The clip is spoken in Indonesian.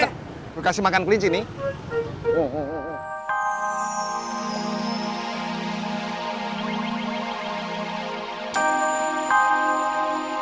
eh gue kasih makan kelinci nih